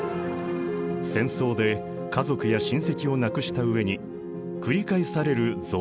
戦争で家族や親戚を亡くした上に繰り返される増税。